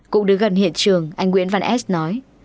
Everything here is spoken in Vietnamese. cũng đến gần hiện trường anh nguyễn văn s nói